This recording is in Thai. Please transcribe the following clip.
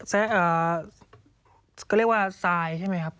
สวัสดีค่ะที่จอมฝันครับ